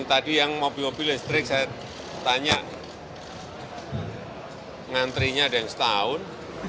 tadi yang mobil mobil listrik saya tanya ngantrinya ada yang setahun